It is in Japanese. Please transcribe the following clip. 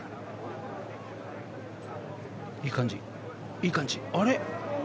いい感じあれ？